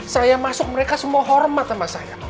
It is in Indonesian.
saya masuk mereka semua hormat sama saya